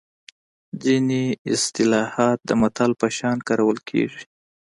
ځینې اصطلاحات د متل په شان کارول کیږي